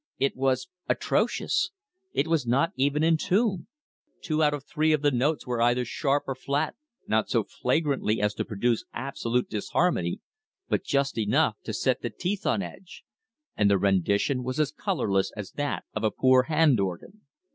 It was atrocious. It was not even in tune. Two out of three of the notes were either sharp or flat, not so flagrantly as to produce absolute disharmony, but just enough to set the teeth on edge. And the rendition was as colorless as that of a poor hand organ.